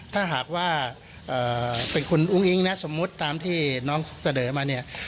ถ้าหากว่าเป็นคุณอุ้งอิ๊งนะสมมุติตามที่น้องเสนอมาเนี่ย